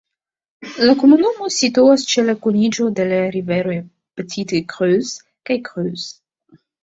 La komunumo situas ĉe la kuniĝo de la riveroj Petite Creuse kaj Creuse.